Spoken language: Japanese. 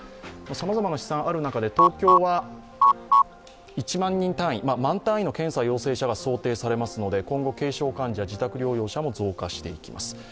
さまざまな試算がある中で東京は１万人単位、万単位の検査陽性者が想定されますので、今後、軽症者患者、自宅療養者も増加していきます。